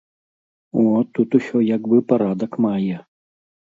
О, тут усё як бы парадак мае.